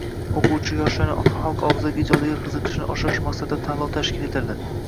Oʻquvchi-yoshlarning xalq ogʻzaki ijodiga qiziqishini oshirish maqsadida tanlov tashkil etildi